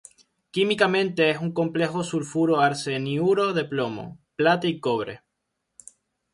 Químicamente es un complejo sulfuro-arseniuro de plomo, plata y cobre.